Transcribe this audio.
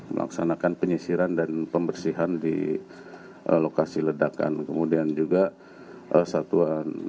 melaksanakan penyisiran dan pembersihan di lokasi ledakan kemudian juga satuan